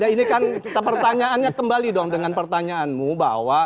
ini kan pertanyaannya kembali dong dengan pertanyaanmu bahwa